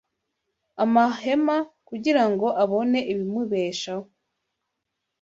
amahema kugira ngo abone ibimubeshaho